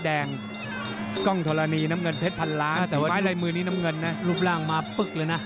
แดงกล้องธรณีน้ำเงินเพชรพันล้านแต่ไม้ลายมือนี้น้ำเงินนะรูปร่างมาปึ๊กเลยนะ